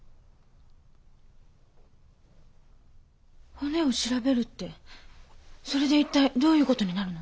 骨を調べるってそれで一体どういう事になるの？